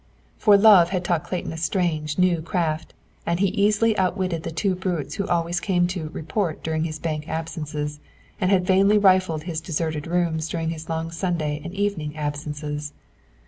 For Love had taught Clayton a strange, new craft, and he easily outwitted the two brutes who always came to "report" during his bank absences, and had vainly rifled his deserted rooms during his long Sunday and evening absences.